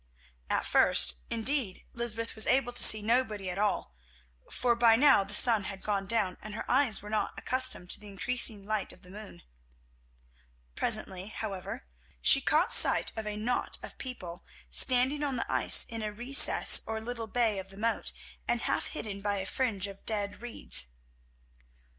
At first, indeed, Lysbeth was able to see nobody at all, for by now the sun had gone down and her eyes were not accustomed to the increasing light of the moon. Presently, however, she caught sight of a knot of people standing on the ice in a recess or little bay of the moat, and half hidden by a fringe of dead reeds.